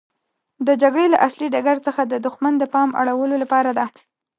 د جګړې له اصلي ډګر څخه د دښمن د پام اړولو لپاره ده.